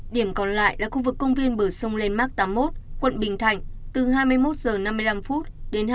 điểm còn lại là khu vực công viên bờ sông lên mạc tám mươi một quận bình thạnh từ hai mươi một h năm mươi năm đến hai mươi hai h một mươi